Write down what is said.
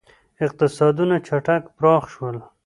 • اقتصادونه چټک پراخ شول.